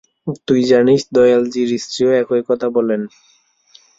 তুই জানিস দয়ালজীর স্ত্রীও একই কথা বলেন।